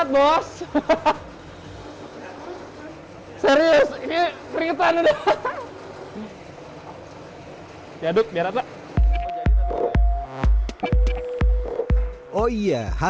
tapi kalau yang tempe biasa